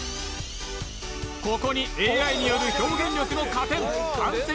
ここにＡｉによる表現力の加点感性